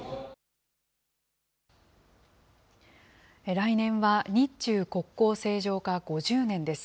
来年は日中国交正常化５０年です。